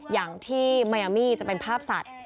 อย่างที่มายามี่จะเป็นภาพสัตว